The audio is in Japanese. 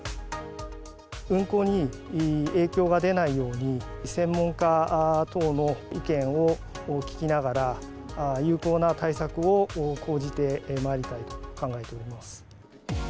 運航に影響が出ないように、専門家等の意見を聞きながら、有効な対策を講じてまいりたいと考えております。